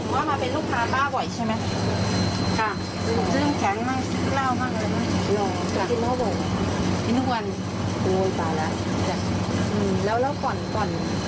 วันนี้ใช่ไหมวันอันทางวันจันทร์